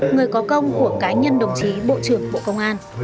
người có công của cá nhân đồng chí bộ trưởng bộ công an